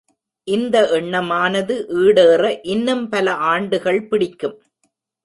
இந்த எண்ணமானது ஈடேற, இன்னும் பல ஆண்டுகள் பிடிக்கும்.